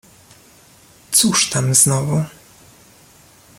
"cóż tam znowu?"